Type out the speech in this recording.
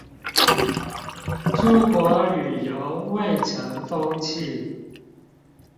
出國旅遊蔚成風氣